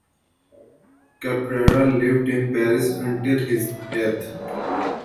Caprara lived in Paris until his death.